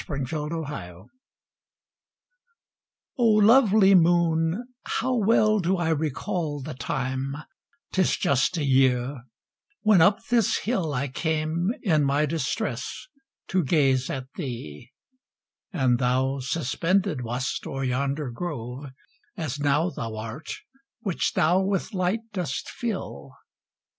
TO THE MOON. O lovely moon, how well do I recall The time,—'tis just a year—when up this hill I came, in my distress, to gaze at thee: And thou suspended wast o'er yonder grove, As now thou art, which thou with light dost fill.